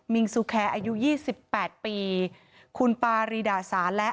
มิงซูแคร์อายุยี่สิบแปดปีคุณภรรีดาสาและ